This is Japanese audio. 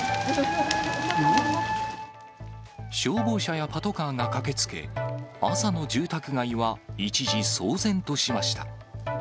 消防車やパトカーが駆け付け、朝の住宅街は一時、騒然としました。